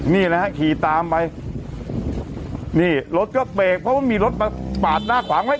นี่นะฮะขี่ตามไปนี่รถก็เบรกเพราะว่ามีรถมาปาดหน้าขวางไว้